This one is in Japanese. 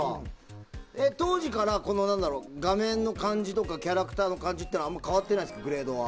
当時から画面の感じとかキャラクターの感じとか変わってないんですか？